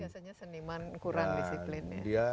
biasanya seniman kurang disiplin